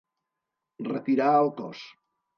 Retirar el cos.